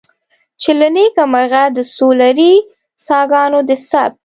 چې له نیکه مرغه د سولري څاګانو د ثبت.